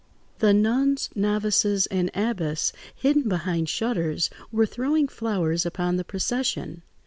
The nuns, novices, and abbess, hidden behind shutters, were throwing flowers upon the procession.